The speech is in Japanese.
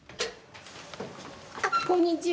あっこんにちは。